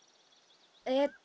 えっと